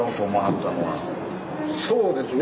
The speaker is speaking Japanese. そうですね